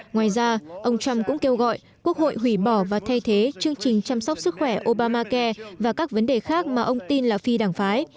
ngoài ra ông trump cũng kêu gọi quốc hội hủy bỏ và thay thế chương trình chăm sóc sức khỏe obamacai và các vấn đề khác mà ông tin là phi đảng phái